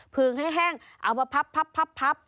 พืงให้แห้งเอามาพับพับพับพับ